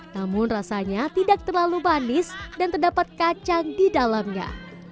namun rasanya tidak terlalu manis dan terdapat kacang di dalamnya